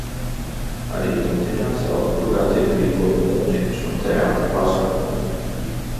Arī mūsdienās Zalcburgā tiek rīkoti mūzikas un teātra pasākumi.